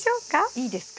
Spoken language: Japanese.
いいですか？